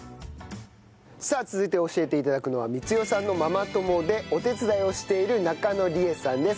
さあ続いて教えて頂くのは光代さんのママ友でお手伝いをしている中野理絵さんです。